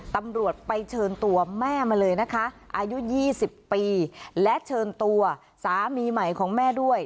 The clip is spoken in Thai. ตำรวจไปเชิญตัวแม่มาเลยนะคะอายุ๒๐ปีและเชิญตัวสามีใหม่ของแม่ด้วย